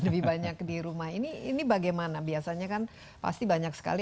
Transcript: lebih banyak di rumah ini ini bagaimana biasanya kan pasti banyak sekali